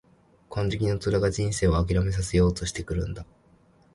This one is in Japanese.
金色の虎が人生を諦めさせようとしてくるんだ。